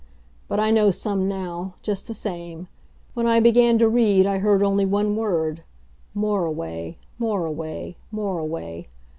But I know some now, just the same. When I began to read I heard only one word Moriway Moriway Moriway.